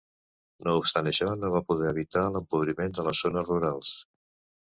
No obstant això, no va poder evitar l'empobriment de les zones rurals.